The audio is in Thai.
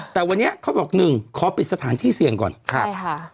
แต่วันนี้เขาบอกหนึ่งขอปิดสถานที่เสี่ยงก่อนครับใช่ค่ะ